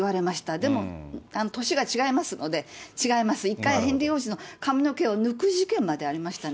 でも、年が違いますので、違います、一回ヘンリー王子の髪の毛を抜く事件までありましたね。